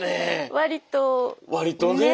割とね。